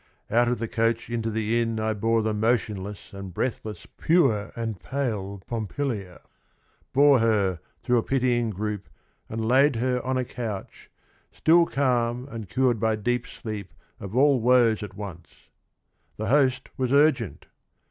Out of the coach into the inn I bore The motionless and breathless pure and pale Pompilia, — bore her through a pitying group And laid her on a couch, still calm and cured By deep sleep of all woes at once. The host Was urgent.